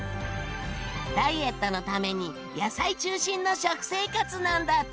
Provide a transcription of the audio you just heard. ダイエットのために野菜中心の食生活なんだって。